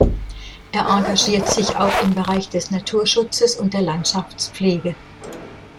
Er engagiert sich auch im Bereich des Naturschutzes und der Landschaftspflege.